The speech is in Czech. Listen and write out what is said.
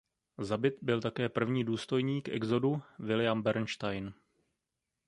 Zabit byl také první důstojník Exodu William Bernstein.